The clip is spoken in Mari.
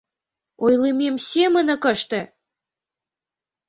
— Ойлымем семынак ыште!